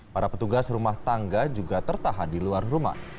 para petugas rumah tangga juga tertahan di luar rumah